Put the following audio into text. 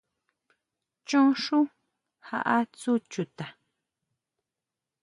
Chon xú jaʼa tsú chuta.